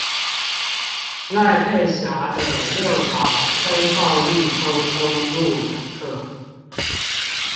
賴佩霞的六堂非暴力溝通入門課